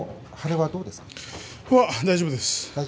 大丈夫です。